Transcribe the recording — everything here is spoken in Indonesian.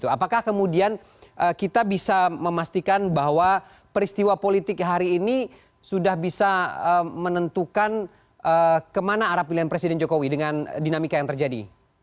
apakah kemudian kita bisa memastikan bahwa peristiwa politik hari ini sudah bisa menentukan kemana arah pilihan presiden jokowi dengan dinamika yang terjadi